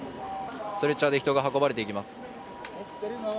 ストレッチャーで人が運ばれていきます。